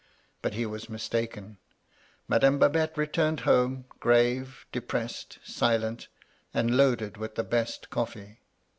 But he was mistaken. Madame Babette re turned home, grave, depressed, silent, and loaded with the best coflfee.